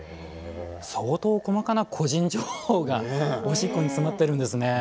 相当細かな個人情報がオシッコに詰まってるんですね！